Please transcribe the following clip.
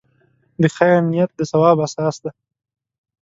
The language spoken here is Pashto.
د خیر نیت د ثواب اساس دی.